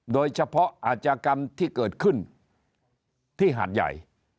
โดยเฉพาะอาจกรรมที่เกิดขึ้นที่หาดใหญ่